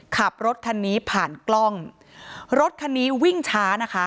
ขับรถคันนี้ผ่านกล้องรถคันนี้วิ่งช้านะคะ